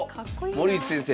森内先生